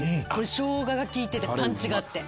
生姜が効いててパンチがあって。